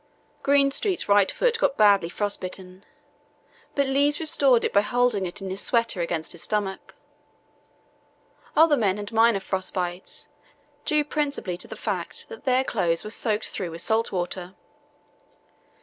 Greenstreet's right foot got badly frost bitten, but Lees restored it by holding it in his sweater against his stomach. Other men had minor frost bites, due principally to the fact that their clothes were soaked through with salt water....